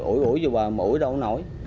ủi ủi vô bờ mũi đâu nó nổi